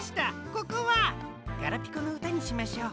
ここはガラピコのうたにしましょう。